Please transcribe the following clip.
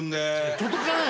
届かないよ。